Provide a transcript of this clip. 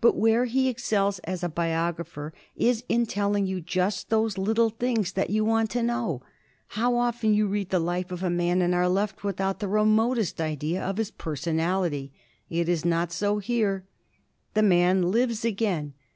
But where he excels as a biographer is in telling you just those little things that you want to know. How often you read the life of a man and are left without the remotest idea of his personality. It is not so here. The man lives again.